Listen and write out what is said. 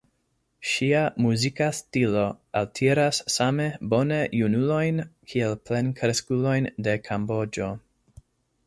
Ŝia muzika stilo altiras same bone junulojn kiel plenkreskulojn de Kamboĝo.